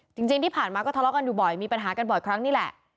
จริงที่ผ่านมาก็ทะเลาะกันอยู่บ่อยมีปัญหากันบ่อยครั้งนี่แหละ